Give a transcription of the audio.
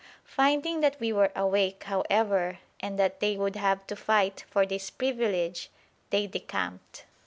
Finding that we were awake, however, and that they would have to fight for this privilege, they decamped.